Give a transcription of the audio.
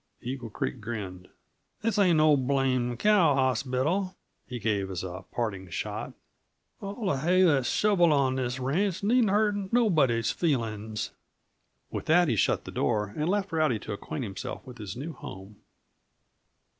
Eagle Creek grinned. "This ain't no blamed cowhospital," he gave as a parting shot. "All the hay that's shoveled on this ranch needn't hurt nobody's feelings." With that he shut the door, and left Rowdy to acquaint himself with his new home.